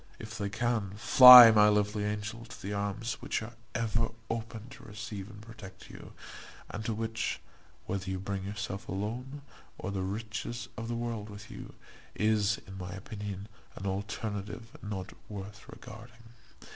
If they can, fly, my lovely angel, to those arms which are ever open to receive and protect you; and to which, whether you bring yourself alone, or the riches of the world with you, is, in my opinion, an alternative not worth regarding.